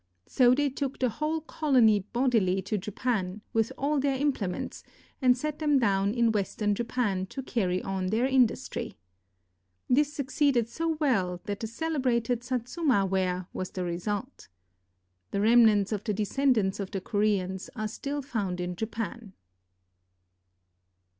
So they took the whole colony bodily to Japan, with all their implements, and set them down in western Japan to carry on their industry. This succeeded so well that the celebrated Satsuma ware was the result. The remnants of the descendants of the Koreans are still found in Japan.